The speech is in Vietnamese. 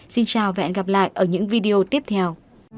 xin chào và hẹn gặp lại ở những video tiếp theo